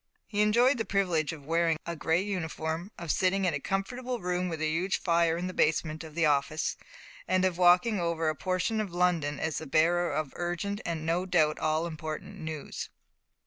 He enjoyed the privilege of wearing a grey uniform, of sitting in a comfortable room with a huge fire in the basement of the office, and of walking over a portion of London as the bearer of urgent and no doubt all important news.